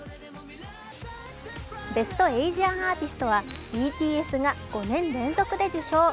ベスト・エイジアン・アーティストはＢＴＳが５年連続で受賞。